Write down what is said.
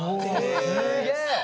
すげえ！